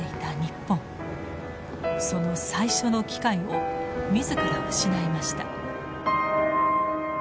その最初の機会を自ら失いました。